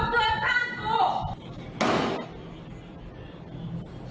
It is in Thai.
กูเจอตรงพิษลาระกูล่ะ